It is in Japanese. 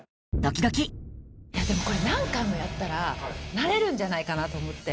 でもこれ何回もやったら、慣れるんじゃないかなと思って。